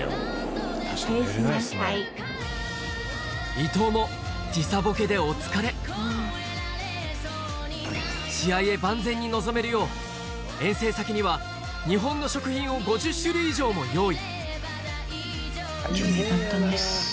伊藤も時差ボケでお疲れ試合へ万全に臨めるよう遠征先には日本の食品を５０種類以上も用意